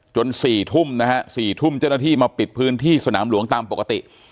๔ทุ่มนะฮะ๔ทุ่มเจ้าหน้าที่มาปิดพื้นที่สนามหลวงตามปกติ